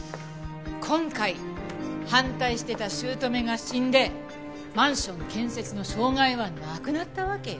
今回反対していた姑が死んでマンション建設の障害はなくなったわけよ。